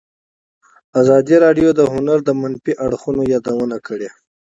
ازادي راډیو د هنر د منفي اړخونو یادونه کړې.